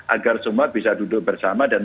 agar semua bisa duduk bersama dan